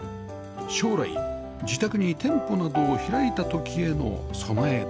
将来自宅に店舗などを開いた時への備えです